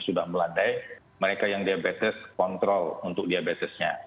sudah melandai mereka yang diabetes kontrol untuk diabetesnya